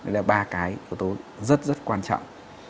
là ba cái yếu tố rất rất quan trọng